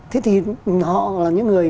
thế thì họ là những người